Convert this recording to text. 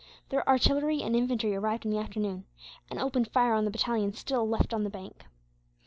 Their artillery and infantry arrived in the afternoon, and opened fire on the battalions still left on the bank.